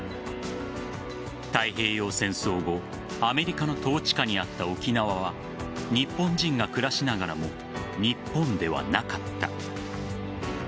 太平洋戦争後アメリカの統治下にあった沖縄は日本人が暮らしながらも日本ではなかった。